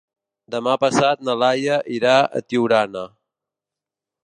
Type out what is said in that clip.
Demà passat na Laia irà a Tiurana.